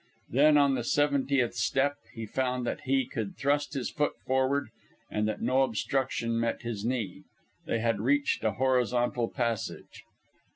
Then on the seventieth step, he found that he could thrust his foot forward and that no obstruction met his knee. They had reached a horizontal passage.